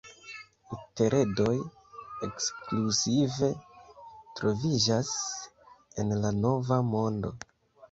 Ikteredoj ekskluzive troviĝas en la Nova Mondo.